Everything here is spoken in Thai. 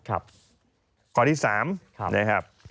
ข้อที่๓